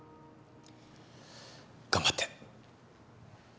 頑張って。